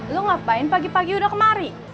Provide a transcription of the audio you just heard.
lu ngapain pagi pagi udah kemari